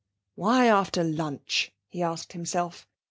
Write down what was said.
'Why after lunch?' he asked himself.